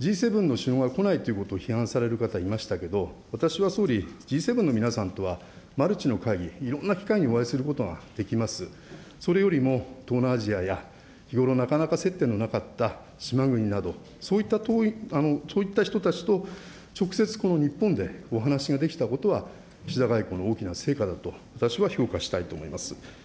Ｇ７の首脳が来ないということを批判される方いましたけど、私は総理、Ｇ７の皆さんとはマルチの会議、いろんな機会にお会いすることができます。それよりも東南アジアや日頃なかなか接点のなかった島国など、そういった人たちと直接この日本でお話が出来たことは、岸田外交の大きな成果だと、私は評価したいと思います。